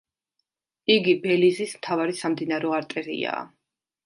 იგი ბელიზის მთავარი სამდინარო არტერიაა.